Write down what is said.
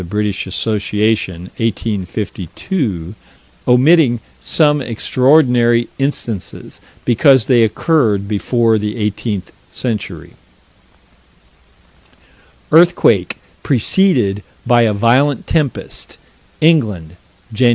Brit. Assoc._, 1852), omitting some extraordinary instances, because they occurred before the eighteenth century: Earthquake "preceded" by a violent tempest, England, Jan.